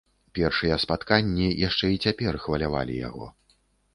Першыя спатканні яшчэ і цяпер хвалявалі яго.